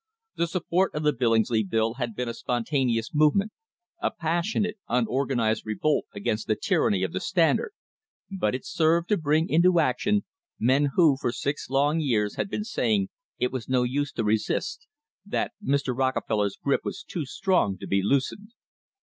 The support of the Billingsley Bill had been a spontaneous movement, a passionate, unor ganised revolt against the tyranny of the Standard, but it served to bring into action men who for six long years had been saying it was no use to resist, that Mr. Rockefeller's grip was too strong to be loosened.